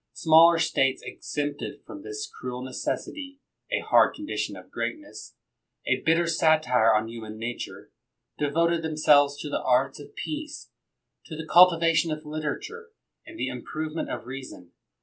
Smaller States exempted from this cruel necessity — a hard condition of greatness, a bitter satire on human nature — devoted them selves to the arts of peace, to the cultivation of literature, and the improvement of reason.